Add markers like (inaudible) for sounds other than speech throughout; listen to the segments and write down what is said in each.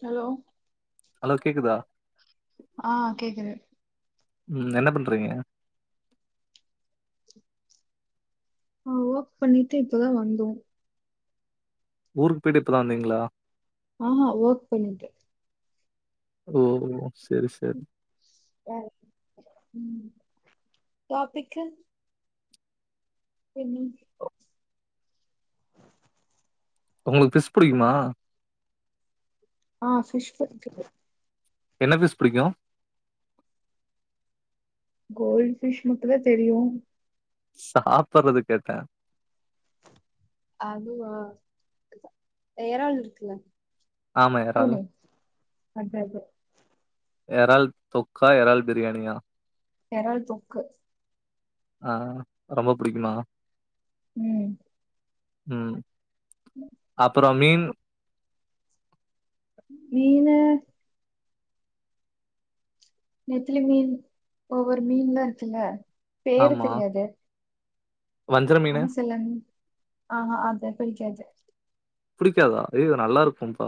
Hello hello கேக்குதா ஆ கேக்குது ம் என்ன பண்றீங்க ஆ ஓக் பண்ணிட்டு இப்பதா வந்தோ ஊருக்கு போயிட்டு இப்ப தா வந்தீங்களா ஆ ஹா ஓக் பண்ணிட்டே ஓ செரி செரி யாரு ம் டாபிக்கு பென்னி உங்களுக்கு ஃபிஷ் புடிக்குமா ஆ ஃபிஷ் புடிக்கு (unintelligible) என்ன ஃபிஷ் புடிக்கு கோல்ட் ஃபிஷ் மட்டுதா தெரியு சாப்பறது கேட்டே அதுவா எறாள் இருக்குல்ல ஆமா எறால் கூனு அட்ட அட்ட எறாள் தொக்கா எறாள் பிரியாணியா எறாள் தொக்கு ஆ ரொம்ப புடிக்குமா ம் ம் அப்பறம் மீன் மீனு நெத்திலி மீன் ஒவ்வொரு மீன்லா இருக்குல்ல பேரு ஆமா தெரியாது வஞ்சர மீனு ஆன சில மீ ஆ ஹ அது பிடிக்காது புடிக்காதா அய்யய்யோ நல்லா இருக்கும்ப்பா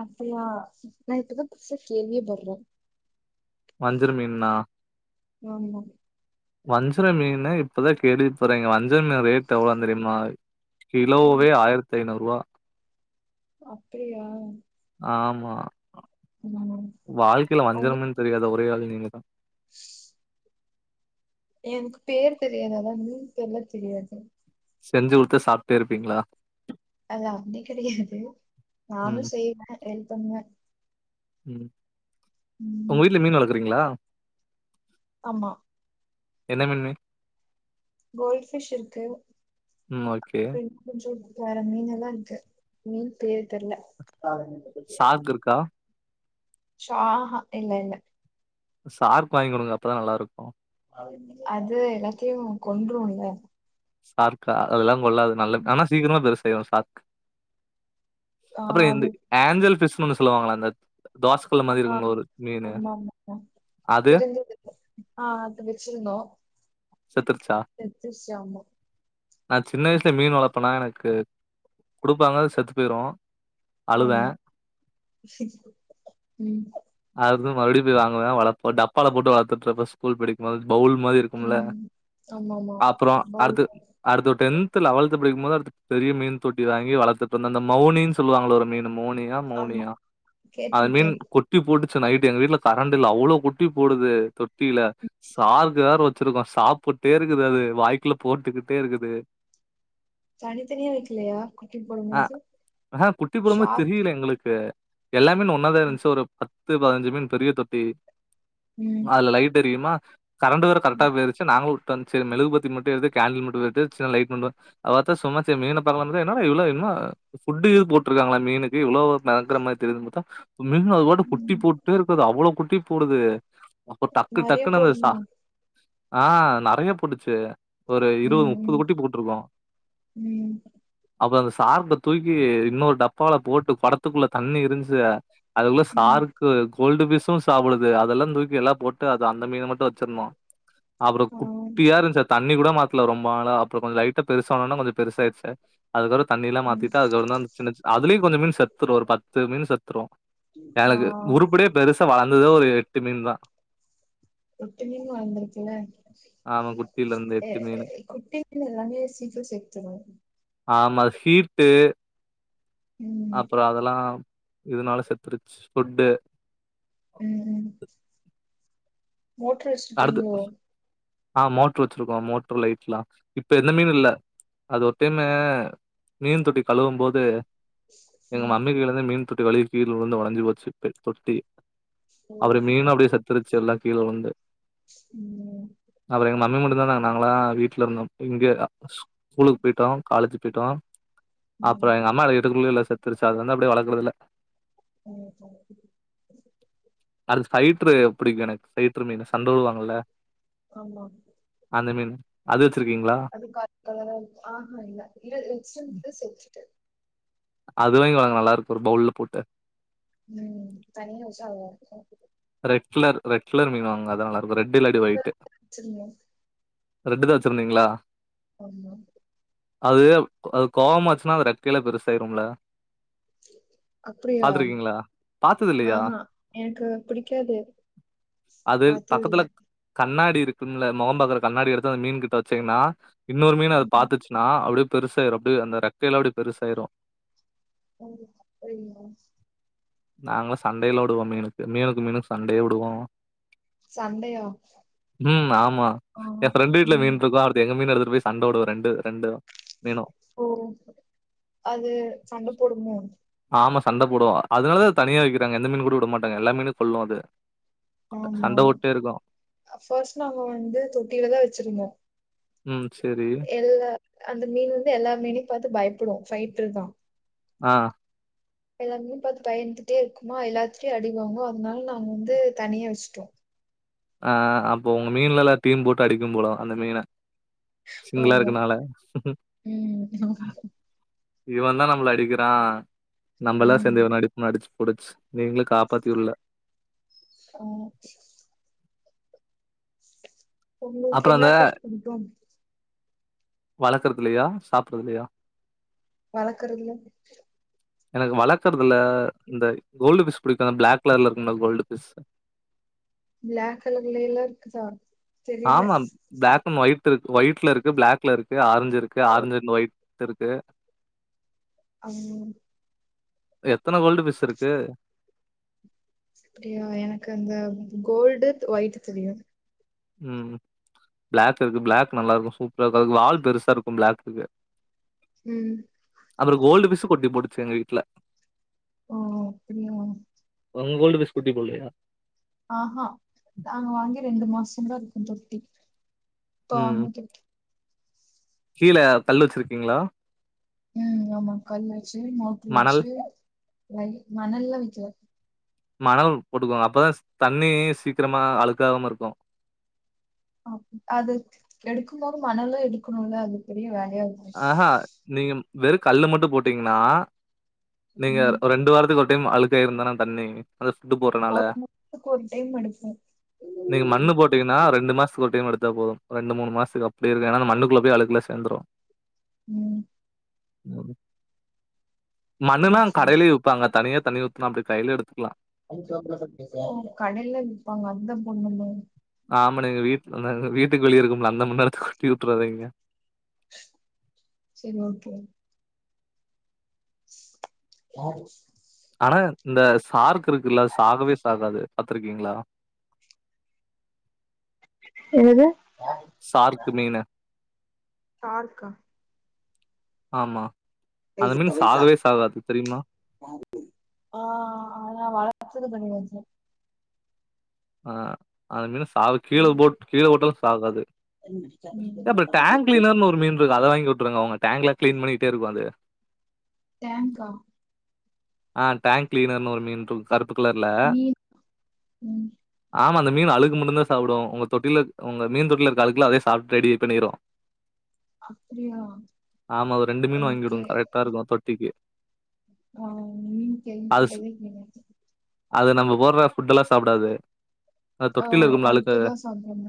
அப்டியா நா இப்பத புதுசா கேள்வியேபட்றே வஞ்சர மீன்னா ஆமா வஞ்சர மீன இப்பதா கேள்விபடுறேங்க வஞ்சர மீன் ரேட் எவ்ளோனு தெரியுமா ஆ கிலோவே ஆயிரத்தி ஐநூறுருவா அப்டியா ஆமா ம் வாழ்க்கைல வஞ்சர உங்க மீன் தெரியாத ஒரே ஆள் நீங்கதா எனக்கு பேர் தெரியாது ஆனா மீன் பேர்ல தெரியாது செஞ்சு குடுத்த சாப்ட்டே இருப்பீங்ளா அது அப்டி கெடையாது நானு ம் செய்வே ஹெல்ப் பண்ணுவே ம் ம் உங்க வீட்ல மீன் வளக்கிறீங்ளா ஆமா என்ன மீன்னு கோல்ட் ஃபிஷ் இருக்கு ம் ஓகே. (inaudible) கொஞ்சோ வேற மீன்னல்லா இருக்கு மீன் பேர் தெர்ல ஷார்க் இருக்கா? சாஹ இல்ல இல்ல சார்க் வாங்கி குடுங்க அப்பதா நல்லாருக்கு அது எல்லாத்தியு கொன்றுல்ல சார்கா அதெலா கொல்லாது நல்ல ஆனா சீக்கரமா பெருசாயிரு சார்க் ஆ, அப்பற அது இந்த ஆஞ்சல் ஃபிஷ்னு சொல்லுவாங்களா அந்த தோச ஆ ஆமா ஆமா ஆ அது தெரிஞ்சது ஆ அது வச்சுருந்தோ செத்துருச்சா ஆமா நா சின்ன வயசுல மீன் வளப்பனா எனக்கு குடுப்பாங்க செத்து போய்ரு ஆமா ஃபிஷ் ம் அது வந்து மறுபடியு போய் வாங்குவ வளப் டப்பால போட்டு வளத்துட்டுருப்பே ஸ்கூல் படிக்கும்போது பவுல் மாரி உங்கள ம் ஆமாமா அப்பறோ பவுல் அடுத்து அடுத்து டென்த் லவன்த்து படிக்கும்போது பெரிய மீன் தொட்டி வாங்கி வளத்துட்ருந்தோ அந்த மௌனி சொல்லுவாங்களோ ஒரு மீன் மௌனியா ஆமா மோனியா அது மீன் கேட்டிருக்கேன் குட் குட்டி போட்டுச்சு நைட்டு் எங்க வீட்ல கரண்ட் இல்ல அவ்ளோ குட்டி போடுது தொட்டில ஷார்கு வேற வச்சுருக்கோ சாப்புட்டே இருக்குது அது வாய்க்குல போட்டுக்கிட்டே இருக்குது தனித்தனியா வைக்கலையா குட்டி அஹ் போடும்போது ஆஹ குட்டி போடும் போது ஷார்க் தெரில எங்களுக்கு எல்லா மீன் ஒன்னாதா இருந்துச்சு ஒரு பத்து பதினஞ்சு மீன் பெரிய தொட்டி ம் அதுல லைட் எரியுமா கரண்ட் வேற கரெக்டா போயிருச்சு நாங்களு டன்ச்சு மெழுகுபத்தி மட்டு எடுத்து கேண்டில் மட்டு எடு சின் லைட் மட்டு அவத்தா சும்மா சேரி மீன பாக்கலா பாத்தா என்னாட இவ்ளோ என்னா ஃபுட்டு இது போட்டிருக்காங்களா மீனுக்கு இவ்ளோ பயங்கர மாரி தெரிது (unintelligible) குட்டி ம் போட் டே இருக்குது அவ்ளோ குட்டி போடுது அப்ப டக்கு நெறைய டக்குன்னு அந்த சா போடணும் ஆ நெறைய போட்டுச்சு ஒரு இருவது முப்பது ம் குட்டி போட்டுருக்கு ம் அப்பறோ அந்த சார்ப்ப தூக்கி இன்னொரு டப்பால போட்டு கொடத்துக்குள்ள தண்ணி இருந்துச்சு அதுள்ள ம் சாரீக்கு கோல்டு ஃபிஷும் சாப்புடுது அதெலா தூக்கி எல்லா போட்டு அது அந்த மீன மட்டு வச்சுருந்தோ அப்பறோ ஆ குட்டியா இருந்துச்சு த தண்ணி கூட மாத்துல ரொம்ப நாளா அப்ப கொஞ்ச லைட்டா பெருசானோன கொஞ்ச பெருசாயிருச்சு அதுக்கப்பறோ தண்ணி எல்லா ம் மாத்திட்டு அதுக்கப்புற தா சின்ன அதுலயு கொஞ்ச மீன் செத்துரு ஒரு பத்து மீன் செத்துரு ஆ எனக்கு உருப்படியா பெருசா வளந்ததே ஒரு எட்டு மீன் தா ஒட்டு மீன் வந்துருக்குல ஆமா குட்டில இருந்து ஏ எட்டு மீன் குட்டி மீன் எல்லாமே சீக்கரோ செத்துரு ஆமா ஹீட்டு ம் அப்பறோ அதெல்லா இதனால செத்துருச்சு ஃபுட்டு ம் ம் மோட்ரு அடுத்து வச்சுப்பீங்களோ ஆ மோட்ரு வச்சிருக்கோ மோட்ரு லைட்லா இப்ப எந்த மீனு இல்ல அது ஒரு டைமு மீன் தொட்டி கழுவும் போது எங்க ம் மம்மி கைல இருந்து மீன் தொட்டி வழி கீழ உலுந்து ஒடஞ்சு போச்சு இப்ப தொட்டி ஓ அப்பற மீனு அப்டியே அப்படியா செத்துருச்சு எல்லா கீழ உழுந்து ம் அப்ப எங்க மம்மி மட்டுதா தாங்க நாங்களா வீட்ல இருந்தோ இங்க ஸ்கூலுக்கு போய்ட்டோ காலேஜு போய்ட்டோ அப்பறோ எங்க அம்மா ம் வீட்டுக்குள்ளே இல்ல செத்துருச்சுது வந்து அப்டே வளக்கறது இல்ல (unintelligible) அது ஃபைட்ரு புடிக்கு எனக்கு பைட்ரு மீனு சண்ட வுடுவாங்கல ஆமா அந்த மீன் அது வச்சிருக்கீங்களா ஏதோ கருப்பு கலர்ல ஆ ஹா இல்ல இரு இன்சன்ட்டு சச்சுட்டு அது வாங்கி வளக்கலா நல்ல இருக்கும் ஒரு பவுல்ல போட்டு ம் தண்ணில வச்சா (unintelligible) ரெட் கலர் ரெட் கலர் மீன் வாங்குனாத நல்லா இருக்கு ரெட் இல்லாடி இப்ப ஒயிட் வச்சிருந்தேன் ரெட்டு தா வச்சிருந்தீங்களா ஆமா அது அது கோவமாச்சுன்னா அது ரெக்கைல பெருசாயிரும்ல அப்டியா பாத்துருக்கீங்களா? பாத்தது ஆ இல்லையா? ஹா எனக்கு அப்டி கேது அது பாத்ததுல்ல பக்கத்துல கண்ணாடி இருக்கும்ல முகம் பாக்குற கண்ணாடி எடுத்து அந்த மீன் கிட்ட வச்சீங்கன்னா இன்னொரு மீன் அத ம் பாத்துட்டு நா அப்டியே பெருசாயிடும் அப்டி அந்த ரெக்கைல அப்டி பெருசாயிடும் ம் சரிங்க நாங்க சண்டேல்ல விடுவோ மீனுக்கு மீனுக்கு மீனுக்கு சண்டே விடுவோ சண்டையா ம் ஆமா ஆ எ ஃப்ரெண்ட் வீட்டுல ம் மீன் இருக்கு எங்க மீன் எடுத்துட்டு போய் சண்டை விடுவே ரெண்டு ரெண்டு மீனும் ஓ அது சண்ட போடுமோ ஆமா சண்ட போடும் அதனால தா அத தனியா வைக்கிறாங்க எந்த மீன் கூட விட மாட்டாங்க எல்லா மீனயையு கொல்லும் அது ஆமா சண்ட போட்டே இருக்கும் ஃபஸ்ட் நாள் நாங்க வந்து தொட்டியிலதா வச்சிருந்தோ ம் சேரி எல்லா அந்த மீன் வந்து எல்லா மீனையும் பாத்து பயப்படும் பைட்டர் தா ஆ எல்லாமீன பாத்து பயத்துட்டே இருக்மா எல்லாத்துட்டையு அடிவாங்கு அதனால நாங்க வந்து தனியா வச்சுட்டோ ஆ அப்ப உங்க மீன் எல்லாதயும் போட்டு அடிக்கும் போல அந்த மீனு சிங்ளா ஆமா இருக்குற நாள ம் ஆமா. இவெ தா நம்மள அடிக்கிறான் நம்மல்லா ம் சேந்து இவன அடிப்போ நடிச்சு புடிச்சு நீங்களு காப்பாத்தி விடல ஆ உங்களுக்கு அப்புறோ என்ன அந்த பிஷ் பிடிக்கு வளர்க்கிறதுல்லயா சாப்புறதுல்லயா வளக்குறதுல எனக்கு வளக்குறதுல இந்த கோல்டு பிஷ் புடிக்கு அந்த பிளாக் கலர்ல இருக்கும்ல கோல்டு பிஷ் பிளாக் கலர்லைலா இருக்கு தா ஆமா பிளாக் அண்ட் ஒயிட் இருக்கு ஒயிட்ல இருக்கு பிளாக்ல இருக்கு ஆரஞ்சு இருக்கு ஆரஞ்சு அண்ட் ஒயிட் இருக்கு (unintelligible) இப்ப எத்தன கோல்டு பிஷ் இருக்கு அப்புடியா எனக்கு அந்த கோல்டு ஒய்ட் தெரியாது ம் பிளாக் இருக்கு பிளாக் நல்லா இருக்கு சூப்பரா இருக்கு அதுக்கு வால் பெருசா இருக்கு பிளாக்குக்கு ம் அப்பறம் கோல்டு பிஷு குட்டி போட்டுச்சு எங்க வீட்ல ஓ அப்டியா ஒங்க கோல்டு பிஷ் குட்டி போடலயா ம்ஹா நாங்க வாங்கி ரெண்டு மாசோந்தா இருக்கு (unintelligible) ம் கீழ கல்லு வச்சிருக்கீங்களா ம் ஆமா கல்லு வச்சு மோட்ரு மணல் வச்சு மணல்லா வக்கில மணல் போட்டுகோங்க அப்போ தா தண்ணி சீக்கிரமா அழுக்காவாம இருக்கு ஆ அது எடுக்கும்போது மணலு எடுக்கணுல அது பெரிய வேலயா இருக்கு ம்ஹா நீங்க வெறு கல்லு மட்டு போட்டீங்கனா நீங்க ம் ரெண்டு வாரத்துக்கு ஒரு டெய்ம் அழுக்காயிருந்தான தண்ணி அந்த ஃபுட்டு போடுறனால ஒரு மாசத்துக்கு ஒரு டைம் எடுப்போ நீங்க ம் மண்ணு போட் டிங்கனா ரெண்டு மாசத்துக்கு ஒரு டெய்ம் எடுத்தா போது ரெண்டு மூணு மாசத்துக்கு அப்டியே இருக்கு ஏனா அந்த மண்ணுக்குள்ள போய் அழுக்குலா சேந்துரு ம் மண்ணுன்னா சரி. கடையிலியே வுப்பாங்க தனியே தண்ணி ஊத்துனா அப்டே கைலே எடுத்துக்லா ஓ கடையில விப்பாங்க அந்த மண்ணு மாரி ஆமா நீங்க வீட்டுல வீட்டுக்கு வெளிய இருக்கும்ல அந்த மண்ண எடுத்து கொட்டி வுட்டுறாதீங்க சேரி ஓகே யாரு ஸ் ஆனா இந்த சார்க் இருக்குல்ல சாகவே சாகாது பாத்ருக்கீங்களா என்னது சார்க்கு மீனு தார்க்கா ஆமா அந்த மீன் சாகவே சாகாது தெரியுமா ஆ ஆ ஆனா வளர்த்தது கெடயாது ஆ அந்த மீன சாவு கீழ போட்டு கீழ போட்டாலு சாகாது ஏ அப்ப டேங்க் கிளீனர்னு ஒரு மீன் இருக்கு அத வாங்கி வுட்டுருங்க ஒங்க டேங்க்லா கிளீன் பண்ணிட்டே இருக்கு அது டேங்கா ஆ டேங்க் கிளீனர்னு ஒரு மீனு இருக்கு கருப்பு கலர்ல மீன் ம் ஆமா அந்த மீனு அழுக்கு மட்டுந்தா சாப்புடு ஒங்க தொட்டில ஒங்க மீன் தொட்டில இருக்க அழுக்க அதே சாப்பிட்டு ரெடி பண்ணிடு அப்டியா ஆமா ஒர் ரெண்டு மீனு வாங்கி ஓகே வுடுங்க கரெக்டா இருக்கு தொட்டிக்கு ஆ அந்த மீனு கேள்வி அது ஸ் பட்டதே இல்லிங்க அது நம்ம போட்ற ஃபுட்டெல்லா சாப்டாது அத ஆ தொட்டில இருக்கும்ல்ல அழுக்கு அத அழுக்குதா சாப்டுவாங்க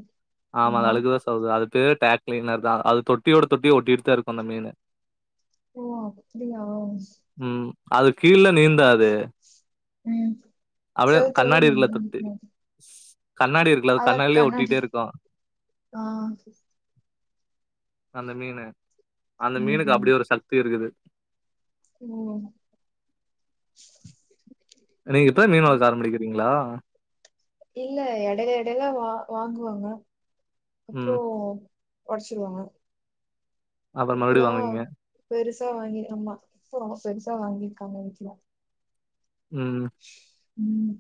ஆமா அது அழுக்குதா அது பேர் டேங்க் கிளீனர்தா அது தொட்டியோட தொட்டி ஒட்டிட்டுதா இருக்கு அந்த மீனு ஓ அப்டியா ம் அது கீழ நீந்தாது ம் அப்படியே செவுத்துலதா கண்ணாடி இருக்குல்ல தொட்டி நீந்துமா கண்ணாடி இருக்குல அது கண்ணாடிலியே ஒட்டிட்டே இருக்கு ஆ அந்த மீனு அந்த ம் மீனுக்கு ம் அப்டி ஒரு சக்தி இருக்குது ஓ நீங்க இப்பதா மீன் வளக்க ஆரம்பிடிக்றீங்க்ளா இல்ல எடையில எடையில வா வாங்குவாங்க அப்றோ ம். ஒடைச்சிருவாங்க அப்புறம் மறுபடியும் இப்பலா வாங்குவீங்க. பெருசா வாங்கி ஆமா இப்போ பெருசா வாங்கிருக்காங்க எங்க வீட்ல ம் ம்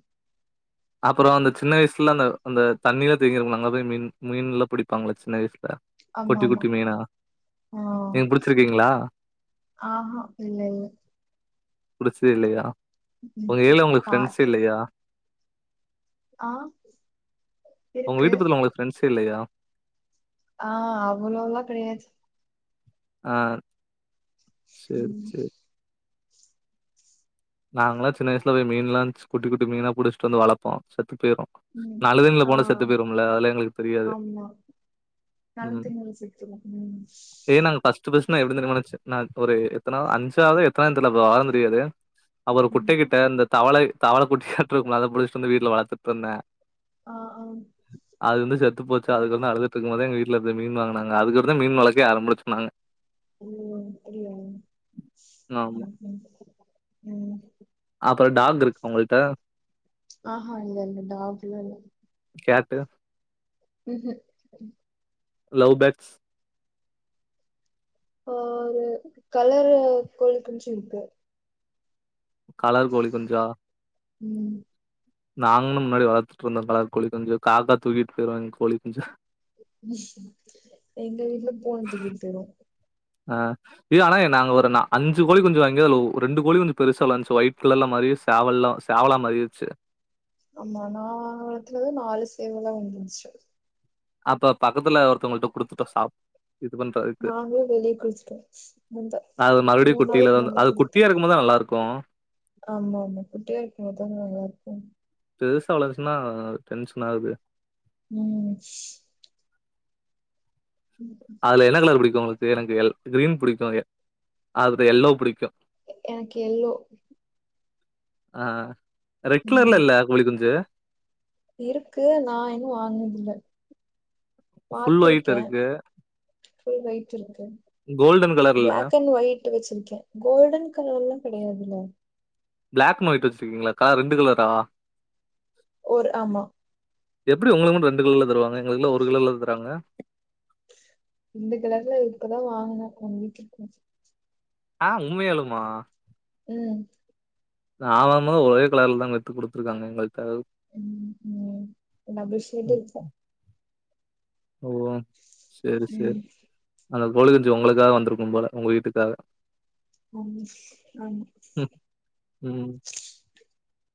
அப்பறோ அந்த சின்ன வயசுல நா அந்த தண்ணில்ல தேங்கியிருக்கும்ள அங்க போய் மீன் மீன்லா புடிப்பாங்கள்ள சின்ன வயசுல ஆமா குட்டி ஆமா குட்டி மீனா ஆ நீங்க புடிச்சிருக்கீங்களா ஆஹா இல்ல இல்ல புடிச்சதே இல்லையா ம் ஒங்க ஏரியால ஒங்களுக்கு ஃபரெண்ட்சே பாத்து இல்லையா ஆ ஒங்க இருக்கு வீட்டு பக்கத்துல ஒங்ளுக்கு ஃப்ரெண்ஸே இல்லையா ஆ அவ்லோல்லா கெடையாது அ சேரி ம் சேரி நாங்கல்லா சின்னவயசல போய் மீன்லா குட்டி குட்டி மீனா புடிச்சிட்டு வந்து வளப்போ செத்து போய்ரு ம் நல்ல தண்ணில ஆ போனா செத்து போயிரும்ல அதெல்லா எங்களுக்கு தெரியாது நல்ல ம். தண்ணில செத்துரு ம் ஃபர்ஸ்ட் ஃபர்ஸ்ட் (unintelligible) ஒரு எத்தனா அஞ்சாவது எத்தனாவது தெர்ல (unintelligible) வாரோ தெரியாது அப்ரோ ம் குட்டை கிட்ட இந்த தவளை தவள குட்டியாட்டு இருக்கும்ல அத புடிச்சுட்டு வந்து வீட்ல வளத்துட்டு இருந்தே ஆ ஆ அது வந்து செத்து போச்சு த அதுக்கு வந்து அழுது எங்க வீட்ல இருந்து மீன் வாங்னாங்க அதுக்கடுத்தா மீன் வளக்க ஆரம்பிச்சோ நாங்க ம் இல்ல ஆமா இல்ல (inaudible) அப்ரோ டாக் இருக்கு உங்கள்ட்ட ஆஹா இல்ல இல்ல டாக்ல இல்ல கேட்டு ம்ஹூம் லவ் பேட்ஸ் இப்போ ஒரு கலரு கோழி குஞ்சு இருக்கு கலர் கோழி குஞ்சா ம் நாங்ளு முன்னாடி வளத்துட்டு இருந்தோ கலர் கோழி குஞ்சு காக்கா தூக்கிட்டு போயிரு அந்த கோழி குஞ்ச எங்க வீட்ல பூன தூக்கிட்டு போயிரு ஆ இது ஆனா நாங்க ஒரு ந அஞ்சு கோழி குஞ்சு வாங்கி அதுல ஒ ரெண்டு கோழி குஞ்சு பெருசா வளந்ச்சு ஒய்ட் கலர்ல மாரிஸ் சவெல்லோ சேவலா மாறிடுச்சு ஆமா நா வளத்தது நாலு சேவலா வந்துச்சு அப்ப பக்கத்துல ஒருத்தவங்கள்ட் குடுத்துட்டோ சாப் இது பண்றது இக்கு நாங்களு வெளிய குடுத்துட்டோ முந்தா அது மறுபடியு மூணு குட்டியில நாளைக்கு வந்து முன்னாடி அது குடுத்தோ குட்டியா இருக் கும் போது தா நல்லா இருக்கு ஆமா ஆமா குட்டியா இருக்கும் போதுதான நல்லா இருக்கு பெருசா வளந்துசுனா டென்ஷன் ஆகுது ம் அதுல என்ன கலர் புடிக்கு உங்களுக்கு எனக்கு கிரீன் பிடிக்கு அப்ரோ எல்லோ புடிக்கு எனக்கு எல்லோ ஆ ரெட் ம் கலர்ல இல்ல கோழிகுஞ்சு இருக்கு நா இன்னு வாங்குனதுல்ல ஃபுல் ஒயிட் இருக்கு புல் ஒயிட் இருக்கு கோல்டன் கலர்ல பிளாக் அண் ஒயிட் வச்ருக்கே கோல்டன் கலர்ல்லா கெடையாதுல பிளாக் அண்ட் ஒயிட் வச்சிருக்கீங்களாக்கா ரெண்டு கலரா ஒரு ஆமா எப்டி உங்ளுக்கு மட்டு ரெண்டு கலர்ல தருவாங்க எங்ளுக்குல்ல ஒரு கலர்ல தருவாங்க ரெண்டு கலர்ல இப்பதா வாங்னே ஒன் வீக் இருக்கு ஆ உண்மையாளுமா ம் நா வாங்கம்போது ஒரே கலர்ல தாங்க எடுத்து கொடுத்துருக்காங்க எங்கள்ட்ட ம் ம் ம். ஏன்னா (unintelligible) ஓ சேரி சேரி ம் அந்த கோழிக்குஞ்சி உங்களுக்காக வந்திருக்கு போல உங்க வீட்டுக்காக (unintelligible) ம்